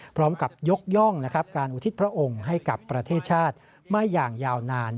พร้อมกับยกย่องการอุทิศพระองค์ให้กับประเทศชาติมาอย่างยาวนาน